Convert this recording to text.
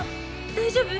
大丈夫？